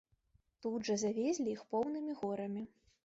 Тут жа завезлі іх поўнымі горамі.